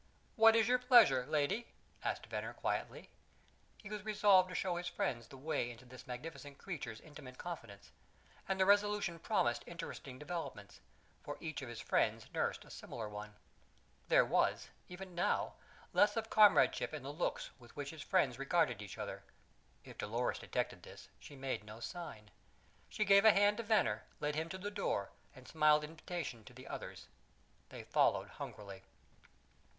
"What is your pleasure, lady?" asked Venner quietly. He was resolved to show his friends the way into this magnificent creature's intimate confidence; and the resolution promised interesting developments, for each of his friends nursed a similar one. There was, even now, less of comradeship in the looks with which the friends regarded each other. If Dolores detected this, she made no sign. She gave a hand to Venner, led him to the door, and smiled invitation to the others. They followed hungrily.